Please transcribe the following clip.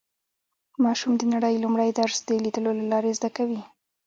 ماشوم د نړۍ لومړی درس د لیدلو له لارې زده کوي